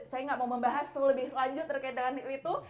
saya nggak mau membahas lebih lanjut terkait dengan itu